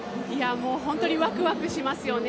ホントにワクワクしますよね。